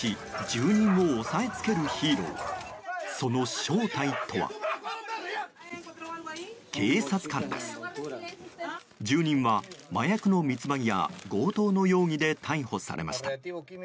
住人は、麻薬の密売や強盗の容疑で逮捕されました。